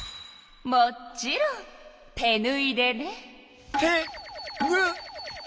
もちろん手ぬいでね。